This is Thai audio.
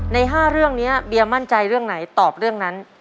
ใน๕เรื่องนี้เบียมั่นใจเรื่องไหนตอบเรื่องนั้น